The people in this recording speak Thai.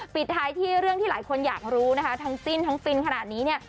ปิดท้ายที่เรื่องที่หลายคนอยากรู้นะคะทั้งสิ้นทั้งฟินขนาดนี้เนี่ย